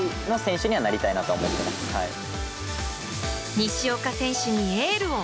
西岡選手にエールを。